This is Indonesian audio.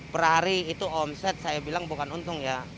per hari itu omset saya bilang bukan untung ya